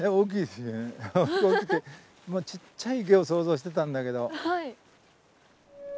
正直ちっちゃい池を想像してたんだけど。